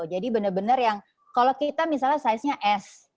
jadi benar benar yang kalau kita misalnya saiznya s